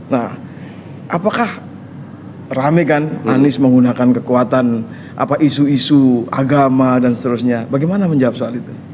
nah apakah rame kan anies menggunakan kekuatan isu isu agama dan seterusnya bagaimana menjawab soal itu